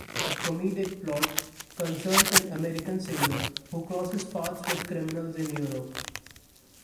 The comedic plot concerns an American singer who crosses paths with criminals in Europe.